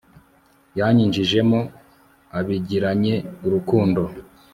yanyinjijemo abigiranye urukundo